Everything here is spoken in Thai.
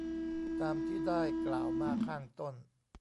ตามที่ได้กล่าวมาข้างต้น